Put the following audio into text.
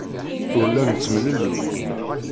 Ur la nettemlelluy.